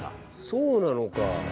そうなのか。